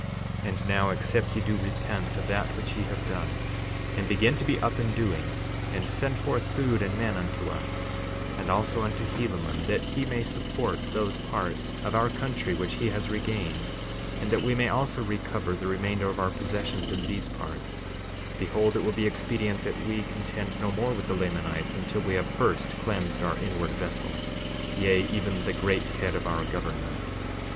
60:24 And now, except ye do repent of that which ye have done, and begin to be up and doing, and send forth food and men unto us, and also unto Helaman, that he may support those parts of our country which he has regained, and that we may also recover the remainder of our possessions in these parts, behold it will be expedient that we contend no more with the Lamanites until we have first cleansed our inward vessel, yea, even the great head of our government.